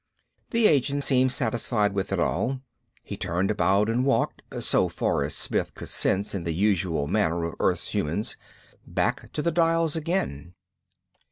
The agent seemed satisfied with it all. He turned about and walked so far as Smith could sense in the usual manner of earth's humans back to the dials again.